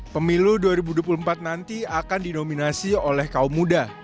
pemilu dua ribu dua puluh empat nanti akan dinominasi oleh kaum muda